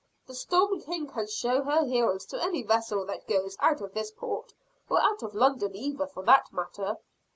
The Storm King can show her heels to any vessel that goes out of this port or out of London either, for that matter."